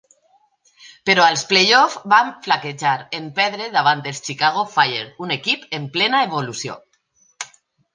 Però als playoff van flaquejar, en perdre davant els Chicago Fire, un equip en plena evolució.